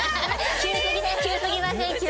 急すぎません？